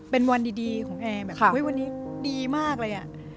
เป็นวันดีของแอร์แบบวันนี้ดีมากเลยอ่ะ